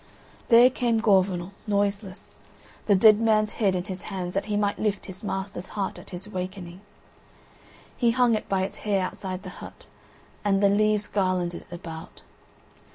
There came Gorvenal, noiseless, the dead man's head in his hands that he might lift his master's heart at his awakening. He hung it by its hair outside the hut, and the leaves garlanded it about.